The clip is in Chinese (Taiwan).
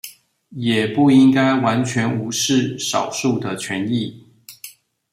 也不應該完全無視少數的權益